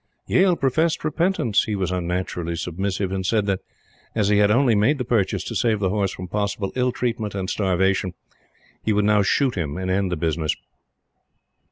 Yale professed repentance he was unnaturally submissive and said that, as he had only made the purchase to save the horse from possible ill treatment and starvation, he would now shoot him and end the business.